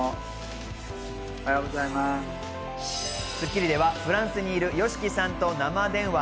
『スッキリ』ではフランスにいるＹＯＳＨＩＫＩさんと生電話。